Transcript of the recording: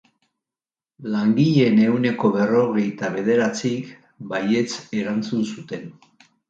Langileen ehuneko berrogeita bederatzik baietz erantzun zuten.